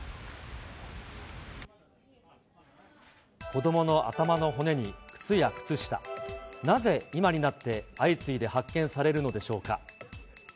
子どもの頭の骨に靴や靴下、なぜ今になって相次いで発見されるのでしょうか。